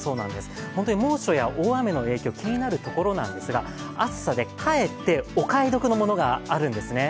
猛暑や大雨の影響が気になるところですが暑さでかえってお買い得のものがあるんですね。